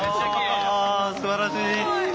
あすばらしい！